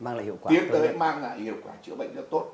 tiến tới mang lại hiệu quả chữa bệnh rất tốt